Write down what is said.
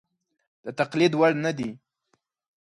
د تقلید وړ نه دي.